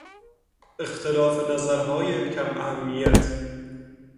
اختلاف نظرهای کم اهمیت